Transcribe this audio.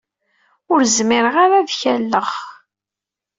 Ur zemmreɣ ara ad k-alleɣ